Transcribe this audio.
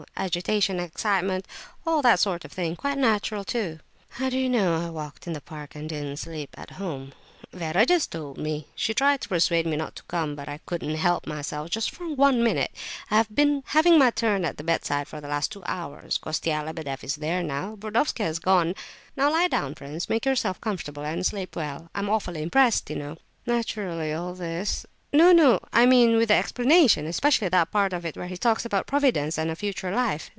Agitation—excitement—all that sort of thing—quite natural, too!" "How do you know I walked in the park and didn't sleep at home?" "Vera just told me. She tried to persuade me not to come, but I couldn't help myself, just for one minute. I have been having my turn at the bedside for the last two hours; Kostia Lebedeff is there now. Burdovsky has gone. Now, lie down, prince, make yourself comfortable, and sleep well! I'm awfully impressed, you know." "Naturally, all this—" "No, no, I mean with the 'explanation,' especially that part of it where he talks about Providence and a future life.